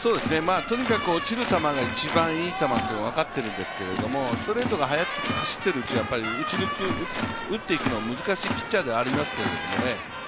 とにかく落ちる球が一番いい球と分かってるんですけどストレートが走っているうちは打っていくのは難しいピッチャーではありますけどね。